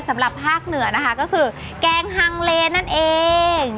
สำหรับภาคเหนือนะคะก็คือแกงฮังเลนั่นเอง